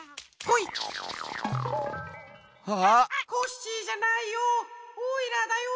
・コッシーじゃないよ。